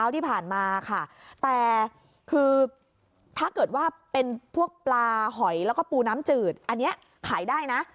ถ้าเกิดว่าเป็นพวกปลาหอยแล้วก็ปูน้ำจืดอันนี้ขายได้นะ